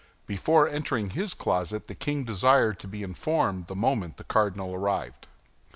Before entering his closet the king desired to be informed the moment the cardinal arrived.